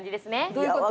どういうこと？